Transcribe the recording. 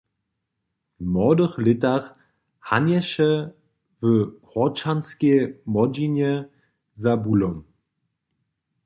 W młodych lětach hanješe w Hórčanskej młodźinje za bulom.